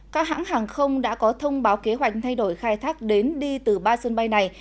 các hãng hàng không đã có thông báo kế hoạch thay đổi khai thác đến đi từ ba sân bay này